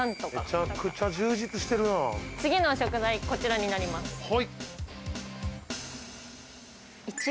こちらになります。